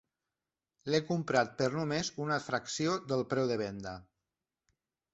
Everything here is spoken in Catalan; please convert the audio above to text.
L'he comprat per només una fracció del preu de venda.